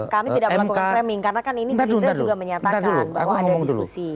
kami tidak melakukan framing karena kan ini gerindra juga menyatakan bahwa ada diskusi